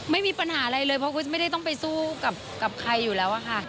ไม่มีปัญหาอะไรเลยเพราะกูจะไม่ได้ต้องไปสู้กับใครอยู่แล้วอะค่ะ